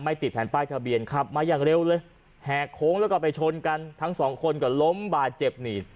ติดแผ่นป้ายทะเบียนขับมาอย่างเร็วเลยแหกโค้งแล้วก็ไปชนกันทั้งสองคนก็ล้มบาดเจ็บนี่